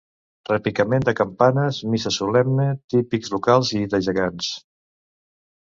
Repicament de campanes, missa solemne, típics locals i de gegants.